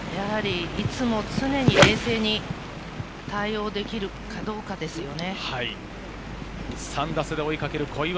技術はもちろん、いつも常に冷静に対応できるかどうかですよね。